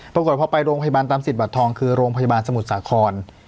ปรากฏพอไปโรงพยาบาลตามสิทธิบัตรทองคือโรงพยาบาลสมุทรสาคร